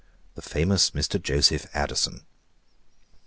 THE FAMOUS MR. JOSEPH ADDISON.